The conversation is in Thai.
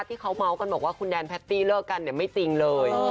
ที่เขาเมาส์กันบอกว่าคุณแดนแพตตี้เลิกกันเนี่ยไม่จริงเลย